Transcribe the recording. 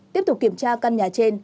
tiếp tục kiểm tra căn nhà trên